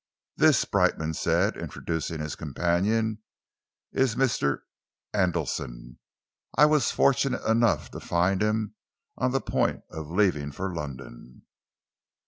"This," Brightman said, introducing his companion, "is Mr. Andelsen. I was fortunate enough to find him on the point of leaving for London."